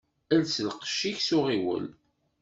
Els lqecc-ik s uɣiwel.